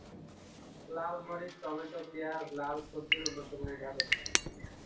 লাল মরিচ, টমেটো, পেঁয়াজ লাল সবজির অন্যতম উদাহরণ।